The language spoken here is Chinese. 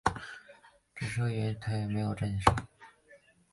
只设有月台而没有站舍。